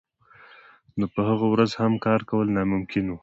نو په هغه ورځ هم کار کول ناممکن وو